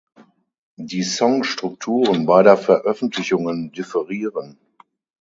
Die Songstrukturen beider Veröffentlichungen differieren.